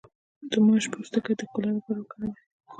د ماش پوستکی د ښکلا لپاره وکاروئ